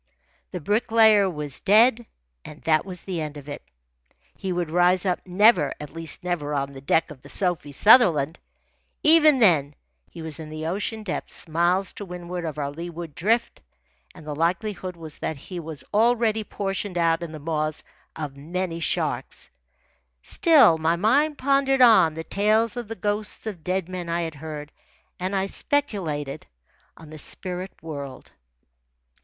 The Bricklayer was dead, and that was the end of it. He would rise up never at least, never on the deck of the Sophie Sutherland. Even then he was in the ocean depths miles to windward of our leeward drift, and the likelihood was that he was already portioned out in the maws of many sharks. Still, my mind pondered on the tales of the ghosts of dead men I had heard, and I speculated on the spirit world.